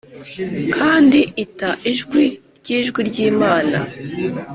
kandi ita ijwi ryijwi ryimana -